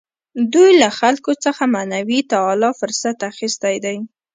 دوی له خلکو څخه معنوي تعالي فرصت اخیستی دی.